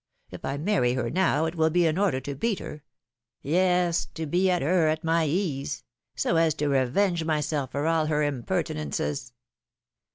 If I marry her now, it will be in order to beat her; yes, to be at her at my ease !— so as to revenge myself for all her impertinences."